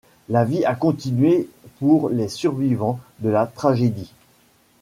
La vie a continué pour les survivants de la tragédie.